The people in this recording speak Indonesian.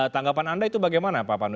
tanggapan anda itu bagaimana pak pandu